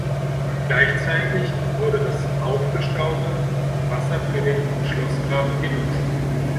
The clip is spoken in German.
Gleichzeitig wurde das aufgestaute Wasser für den Schlossgraben genutzt.